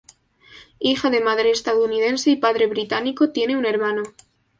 Hija de madre estadounidense y padre británico, tiene un hermano.